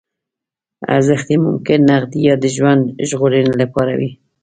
ارزښت یې ممکن نغدي یا د ژوند ژغورنې لپاره وي.